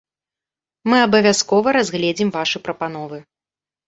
Мы абавязкова разгледзім вашы прапановы.